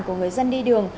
của người dân đi đường